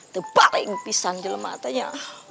depan pisan jalan matanya